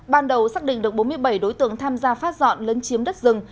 ban đầu xác định được bốn mươi bảy đối tượng tham gia phát dọn lấn chiếm đất rừng